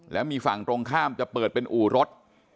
แล้วมีฝั่งตรงข้ามจะเปิดเป็นอู่รถ